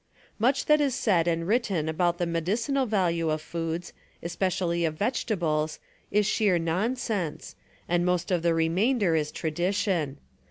Much that is said and written about the medicinal value of foods, especially of vegetables, is sheer nonsense, and most of the remainder is tradition.